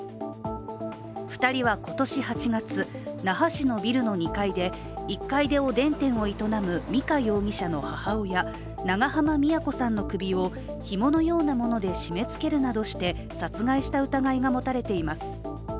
２人は今年８月、那覇市のビルの２階で１階でおでん店を営む美香容疑者の母親、長濱美也子さんの首をひものようなもので締めつけるなどして殺害した疑いが持たれています。